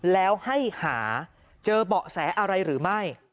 แล้วให้หาเจอเบาะแสอะไรหรือไม่